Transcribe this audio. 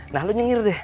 nah lu nyungir deh